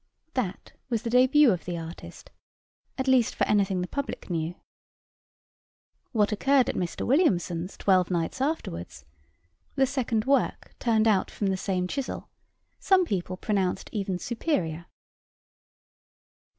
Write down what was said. That was the début of the artist; at least for anything the public knew. What occurred at Mr. Williamson's twelve nights afterwards the second work turned out from the same chisel some people pronounced even superior.